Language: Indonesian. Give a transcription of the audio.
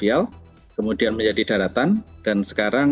jadi memang dulunya semarang itu adalah kota yang terdiri dari kota semarang